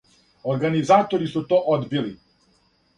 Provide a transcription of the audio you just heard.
Организатори су то одбили.